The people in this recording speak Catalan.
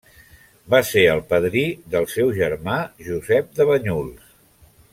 Va ser el padrí del seu germà Josep de Banyuls.